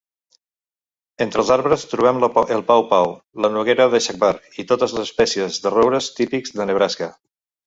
Entre els arbres trobem el pawpaw, la noguera de shagbark i totes les espècies de roures típics de Nebraska.